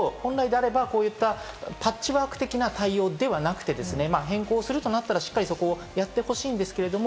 だからこそ本来であればパッチワーク的な対応ではなくて、変更するとなったらそこをやってほしいんですけれども。